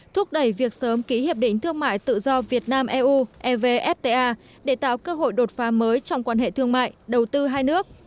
thúc đẩy việc sớm ký hiệp định thương mại tự do việt nam eu evfta để tạo cơ hội đột phá mới trong quan hệ thương mại đầu tư hai nước